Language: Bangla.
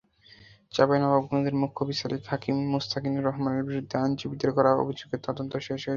চাঁপাইনবাবগঞ্জের মুখ্য বিচারিক হাকিম মোস্তাকিনুর রহমানের বিরুদ্ধে আইনজীবীদের করা অভিযোগের তদন্ত সম্পন্ন হয়েছে।